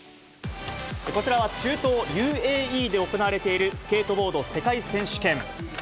こちらは中東ＵＡＥで行われているスケートボード世界選手権。